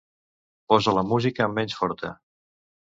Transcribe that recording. Posa la música menys forta.